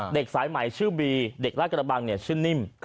สายใหม่ชื่อบีเด็กราชกระบังชื่อนิ่ม